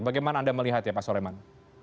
bagaimana anda melihat ya pak soleman